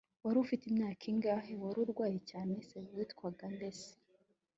wari ufite imyaka ingahe? wari urwaye cyane se? witwaga nde se?